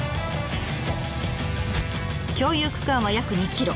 共有区間は約２ｋｍ。